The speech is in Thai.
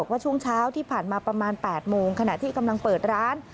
ว่าช่วงเช้าที่ผ่านมาประมาณ๘โมงขณะที่กำลังเปิดร้าน